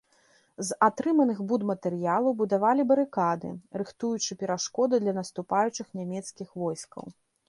З атрыманых будматэрыялаў будавалі барыкады, рыхтуючы перашкоды для наступаючых нямецкіх войскаў.